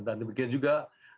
dan demikian juga